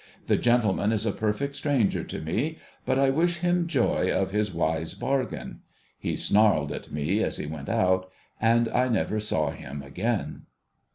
The gentleman is a perfect stranger to me, but I wish him joy of his wise bargain.' He snarled at mc as he went out, and I never saw him again.